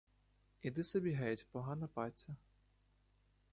Іди собі геть, погана паця.